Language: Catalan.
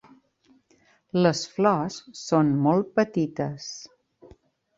Les flors són molt petites.